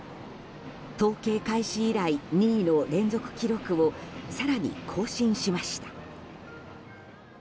統計開始以来２位の連続記録を更に更新しました。